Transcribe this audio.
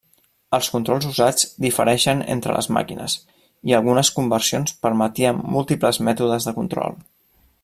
Els controls usats difereixen entre les màquines, i algunes conversions permetien múltiples mètodes de control.